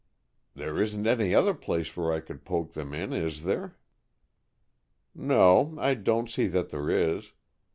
"There isn't any other place where I could poke them in, is there?" "No, I don't see that there is.